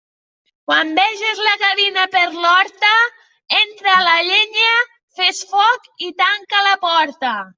Quan veges la gavina per l'horta, entra la llenya, fes foc i tanca la porta.